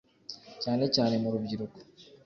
cyane cyane mu rubyiruko